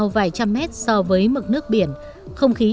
vậy sáng ngày này nào thưa khán giả